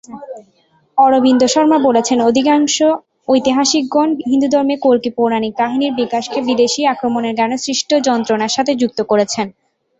অরবিন্দ শর্মা বলছেন, অধিকাংশ ঐতিহাসিকগণ হিন্দুধর্মে কল্কি পৌরাণিক কাহিনীর বিকাশকে বিদেশী আক্রমণের কারণে সৃষ্ট যন্ত্রণার সাথে যুক্ত করেছেন।